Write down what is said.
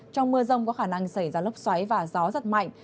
trong mưa rông có khả năng xảy ra lốc xoáy và gió giật mạnh